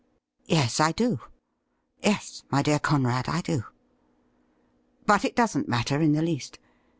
' Yes, I do ! Yes, my dear Conrad, I do. But it doesn't matter in the least.